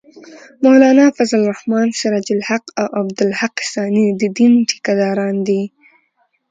مولانا فضل الرحمن ، سراج الحق او عبدالحق ثاني د دین ټېکه داران دي